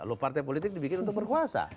loh partai politik dibikin untuk berkuasa